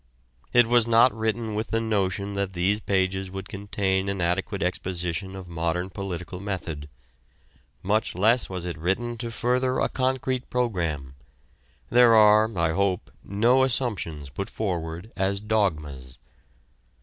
It was not written with the notion that these pages would contain an adequate exposition of modern political method. Much less was it written to further a concrete program. There are, I hope, no assumptions put forward as dogmas.